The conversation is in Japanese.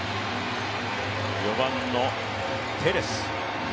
４番のテレス。